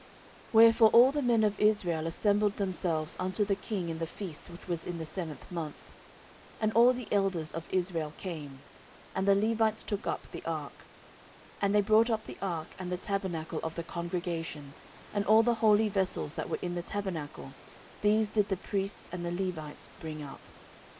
14:005:003 Wherefore all the men of Israel assembled themselves unto the king in the feast which was in the seventh month. 14:005:004 And all the elders of Israel came; and the Levites took up the ark. 14:005:005 And they brought up the ark, and the tabernacle of the congregation, and all the holy vessels that were in the tabernacle, these did the priests and the Levites bring up.